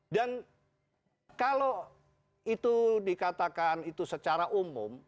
dan kalau itu dikatakan itu secara umum